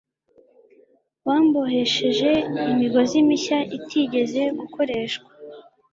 bambohesheje imigozi mishya itigeze gukoreshwa